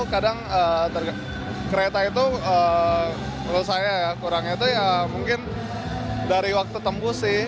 kadang kereta itu menurut saya ya kurangnya itu ya mungkin dari waktu tembus sih